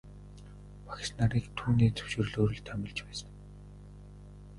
Багш нарыг түүний зөвшөөрлөөр л томилж байсан.